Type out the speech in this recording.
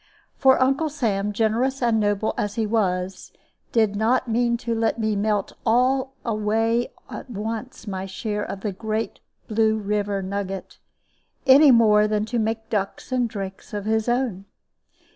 For Uncle Sam, generous and noble as he was, did not mean to let me melt all away at once my share of the great Blue River nugget, any more than to make ducks and drakes of his own.